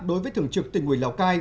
đối với thường trực tỉnh ủy lào cai